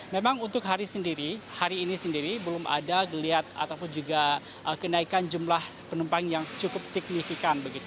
memang untuk hari sendiri hari ini sendiri belum ada geliat ataupun juga kenaikan jumlah penumpang yang cukup signifikan